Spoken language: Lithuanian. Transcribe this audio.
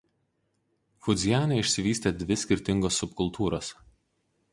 Fudziane išsivystė dvi skirtingos subkultūros.